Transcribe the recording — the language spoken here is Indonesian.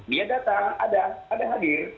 dia datang ada ada hadir